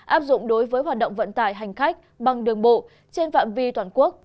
áp dụng đối với hoạt động vận tải hành khách bằng đường bộ trên phạm vi toàn quốc